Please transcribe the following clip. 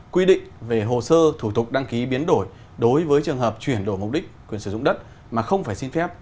quy định về hồ sơ thủ tục đăng ký biến đổi đối với trường hợp chuyển đổi mục đích quyền sử dụng đất mà không phải xin phép